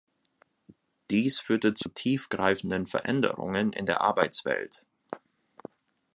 Dies führte zu tiefgreifenden Veränderungen in der Arbeitswelt.